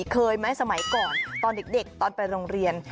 เคยไหมสมัยก่อนตอนเด็กตอนไปโรงเรียน